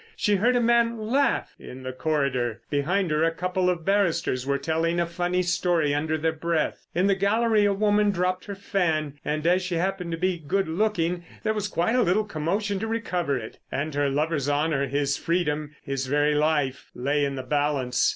She heard a man laugh in the corridor. Behind her a couple of barristers were telling a funny story under their breath. In the gallery a woman dropped her fan; and as she happened to be good looking, there was quite a little commotion to recover it. And her lover's honour, his freedom, his very life, lay in the balance.